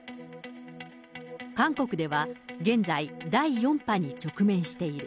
韓国では現在、第４波に直面している。